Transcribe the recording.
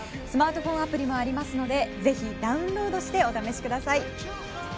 スマートフォンアプリもありますのでぜひダウンロードしてお試しください。